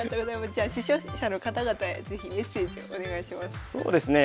じゃあ視聴者の方々へ是非メッセージをお願いします。